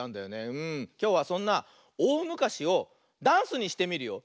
きょうはそんな「おおむかし」をダンスにしてみるよ。